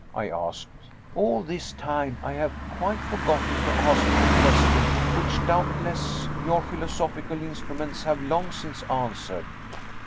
I asked; "all this time I have quite forgotten to ask you a question, which, doubtless, your philosophical instruments have long since answered."